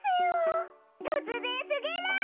とつぜんすぎる！